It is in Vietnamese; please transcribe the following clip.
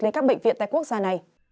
lấy các bệnh viện tại quốc gia này